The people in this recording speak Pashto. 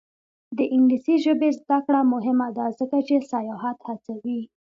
د انګلیسي ژبې زده کړه مهمه ده ځکه چې سیاحت هڅوي.